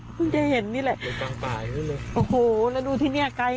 เราก็จะเห็นนี่แหละที่ทำเป้าหมายนี้เลยโอ้โหแล้วดูที่เนี้ยได้กันนะ